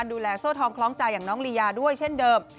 โซ่ทองคล้องใจอย่างน้องลียาด้วยเช่นเดิม